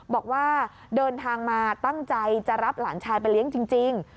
บอกว่าเดินทางมาตั้งใจจะรับหลานชายไปเลี้ยงจริง